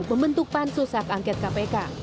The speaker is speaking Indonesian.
membentuk panso saat angket kpk